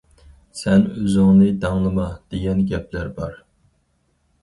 سەن ئۆزۈڭنى داڭلىما... دېگەن گەپلەر بار.